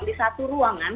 di satu ruangan